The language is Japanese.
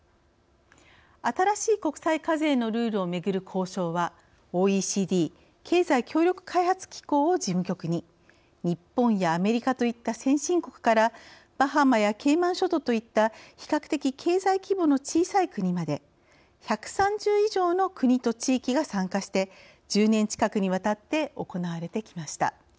新しい国際課税のルールをめぐる交渉は、ＯＥＣＤ＝経済協力開発機構を事務局に日本やアメリカといった先進国からバハマやケイマン諸島といった比較的経済規模の小さい国まで１３０以上の国と地域が参加して１０年近くにわたって行われてきました。